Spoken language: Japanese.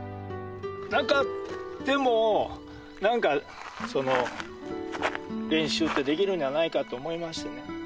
なくてもなんかその練習ってできるんじゃないかと思いましてね。